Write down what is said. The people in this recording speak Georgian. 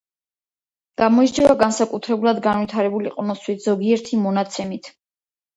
გამოირჩევა განსაკუთრებულად განვითარებული ყნოსვით – ზოგიერთი მონაცემით